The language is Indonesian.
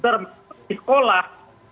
termasuk di sekolah